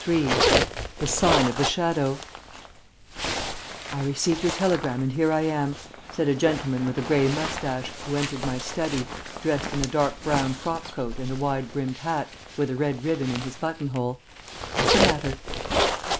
III THE SIGN OF THE SHADOW "I received your telegram and here I am," said a gentleman with a grey moustache, who entered my study, dressed in a dark brown frock coat and a wide brimmed hat, with a red ribbon in his buttonhole. "What's the matter?"